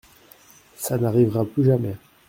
Ça n’arrivera plus jamais.